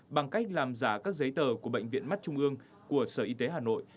bằng cách làm giả các giấy tờ của bệnh viện mắt trung ương của sở y tế hà nội